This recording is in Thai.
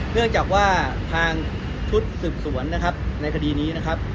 เนื่องจากว่าทางชุดสืบสวนนะครับในคดีนี้นะครับ